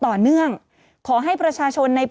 ศูนย์อุตุนิยมวิทยาภาคใต้ฝั่งตะวันอ่อค่ะ